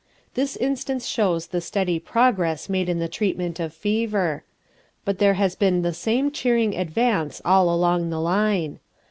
This instance shows the steady progress made in the treatment of fever. But there has been the same cheering advance all along the line.